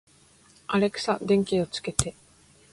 アレクサ、電気をつけて